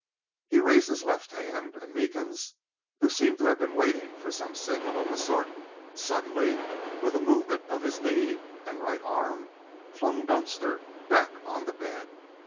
He raised his left hand, and Meekins, who seemed to have been waiting for some signal of the sort, suddenly, with a movement of his knee and right arm, flung Dunster back upon the bed.